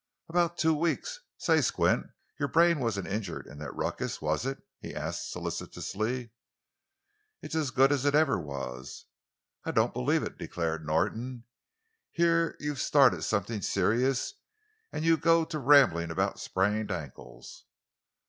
"About two weeks. Say, Squint, your brain wasn't injured in that ruckus, was it?" he asked solicitously. "It's as good as it ever was." "I don't believe it!" declared Norton. "Here you've started something serious, and you go to rambling about sprained ankles."